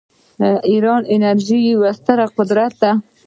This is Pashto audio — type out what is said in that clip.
ایران د انرژۍ یو ستر قدرت دی.